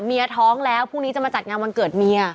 ท้องแล้วพรุ่งนี้จะมาจัดงานวันเกิดเมีย